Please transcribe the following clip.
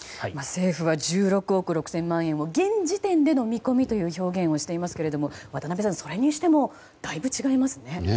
政府は１６億６０００万円を現時点での見込みという表現をしていますけれども渡辺さん、それにしてもだいぶ違いますね。